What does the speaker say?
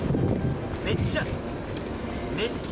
めっちゃめっ。